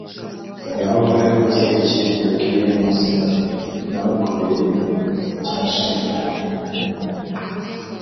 Yehova yakoze iki Yabwiye Mose ati nabakoreye ibintu byinshi ntimwanyemera